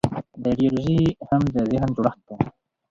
دا ایدیالوژي هم د ذهن جوړښت دی.